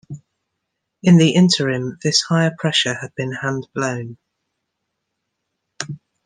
In the interim this higher pressure had been hand blown!